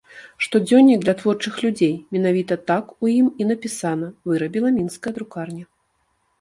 Штодзённік для творчых людзей, менавіта так у ім і напісана, вырабіла мінская друкарня.